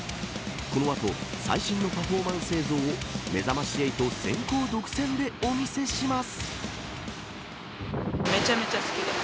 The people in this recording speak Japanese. この後最新のパフォーマンス映像をめざまし８先行独占でお見せします。